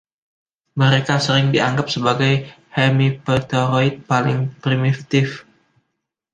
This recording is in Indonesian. Mereka sering dianggap sebagai hemipteroid paling primitif.